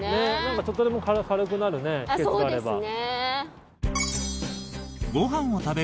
ちょっとでも軽くなる秘けつがあれば。